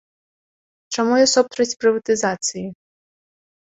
Чаму я супраць прыватызацыі?